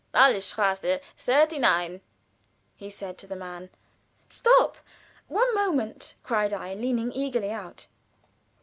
"Alléestrasse, thirty nine," he said to the man. "Stop one moment," cried I, leaning eagerly out.